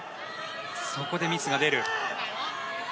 そこでミスが出る。